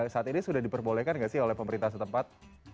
saat ini sudah diperbolehkan nggak sih oleh pemerintah setempat